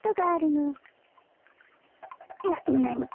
ななにか？